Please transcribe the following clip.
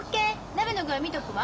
鍋の具合見とくわ。